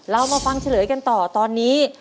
เรามาฟังเฉลยกันต่อตอนนี้